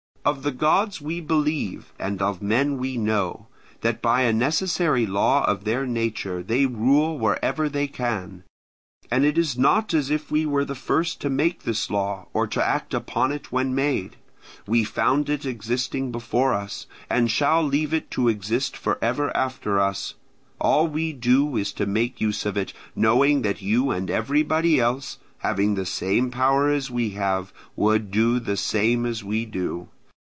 Of the gods we believe, and of men we know, that by a necessary law of their nature they rule wherever they can. And it is not as if we were the first to make this law, or to act upon it when made: we found it existing before us, and shall leave it to exist for ever after us; all we do is to make use of it, knowing that you and everybody else, having the same power as we have, would do the same as we do.